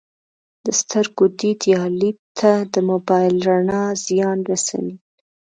د سترګو دید یا لید ته د موبایل رڼا زیان رسوي